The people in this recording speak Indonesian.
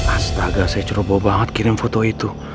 astaga saya ceroboh banget kirim foto itu